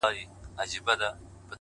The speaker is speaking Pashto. پيل كي وړه كيسه وه غـم نه وو;